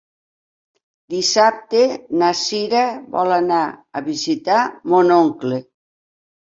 Dissabte na Sira vol anar a visitar mon oncle.